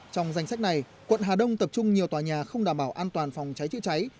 trong danh sách này quận hà đông tập trung nhiều tòa nhà không đảm bảo an toàn phòng cháy chữa cháy